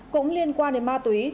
cũng liên quan đến ma túy